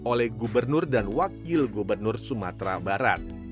oleh gubernur dan wakil gubernur sumatera barat